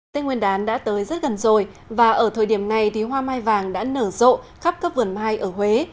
tây nguyên đán đã tới rất gần rồi và ở thời điểm này thì hoa mai vàng đã nở rộ khắp các vườn mai ở huế